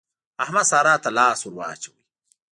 احمد سارا ته لاس ور واچاوو.